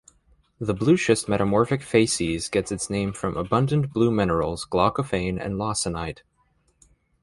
The blueschist metamorphic facies gets its name from abundant blue minerals glaucophane and lawsonite.